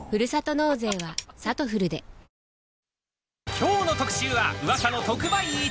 きょうの特集は、ウワサの特売市。